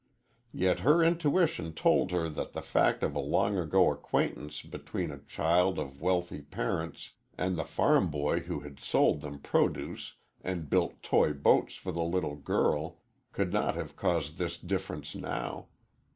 Yet her intuition told her that the fact of a long ago acquaintance between a child of wealthy parents and the farm boy who had sold them produce and built toy boats for the little girl could not have caused this difference now.